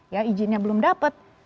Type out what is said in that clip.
ya izinnya belum dapat